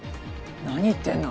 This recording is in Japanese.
何言ってんの？